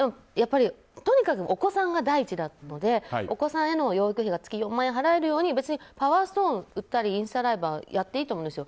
とにかく、お子さんが第一なのでお子さんへの養育費が月４万円払えるように別にパワーストーン売ったりインスタライブはやっていいと思うんですよ。